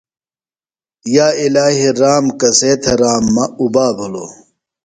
یا الہی رام کسے تھےۡ رام مہ اُبا بِھلوۡ۔